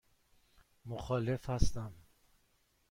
مخالف هستم.